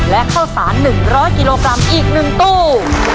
และข้าวสาร๑๐๐กิโลกรัมอีก๑ตู้